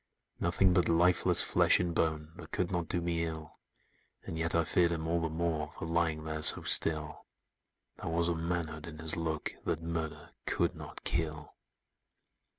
"Nothing but lifeless flesh and bone, That could not do me ill; And yet I feared him all the more, For lying there so still: There was a manhood in his look, That murder could not kill!